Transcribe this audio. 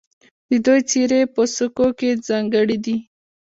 د دوی څیرې په سکو کې ځانګړې دي